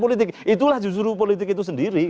politik itulah justru politik itu sendiri